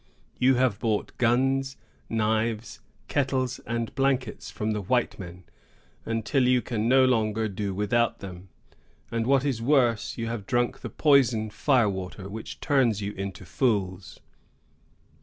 You have bought guns, knives, kettles, and blankets, from the white men, until you can no longer do without them; and, what is worse, you have drunk the poison fire water, which turns you into fools.